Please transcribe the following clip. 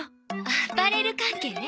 アパレル関係ね。